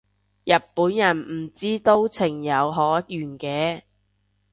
日本人唔知都情有可原嘅